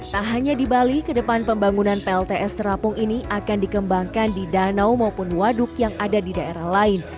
tak hanya di bali kedepan pembangunan plts terapung ini akan dikembangkan di danau maupun waduk yang ada di daerah lain